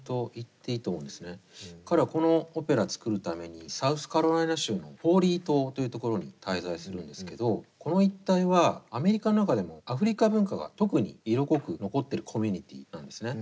彼はこのオペラ作るためにサウスカロライナ州のフォーリー島という所に滞在するんですけどこの一帯はアメリカの中でもアフリカ文化が特に色濃く残ってるコミュニティーなんですね。